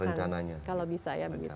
rencananya kalau bisa ya